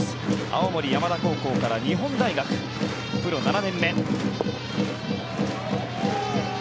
青森山田高校から日本大学プロ７年目。